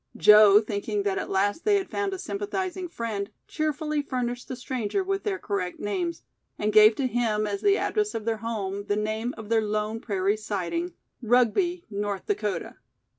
Joe, thinking that at last they had found a sympathizing friend, cheerfully furnished the stranger with their correct names, and gave to him as the address of their home the name of their lone prairie siding, Rugby, North Dakota.